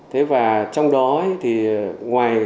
thế và trong đó thì ngoài